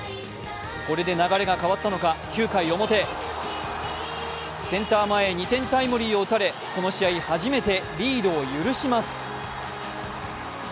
これで流れが変わったのか９回表、センター前へ２点タイムリーを打たれ、この試合、初めてリードを許します。